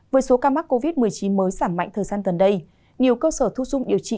với số ca mắc covid một mươi chín mới giảm mạnh thời gian gần đây nhiều cơ sở thu dung điều trị